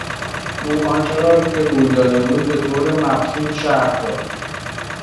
او آنچه را که روی داده بود به طور مبسوط شرح داد.